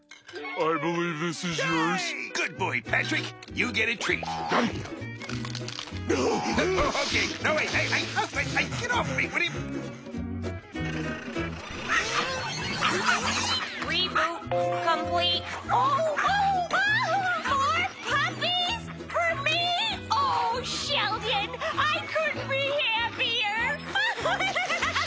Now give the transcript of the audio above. アハハハハ！